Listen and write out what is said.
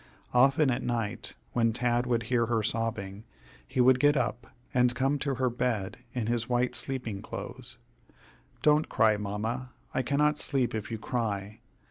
Often at night, when Tad would hear her sobbing, he would get up, and come to her bed in his white sleeping clothes: "Don't cry, Mamma; I cannot sleep if you cry!